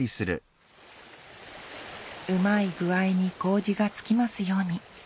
うまい具合に麹がつきますように。